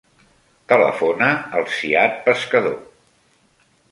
Telefona al Ziad Pescador.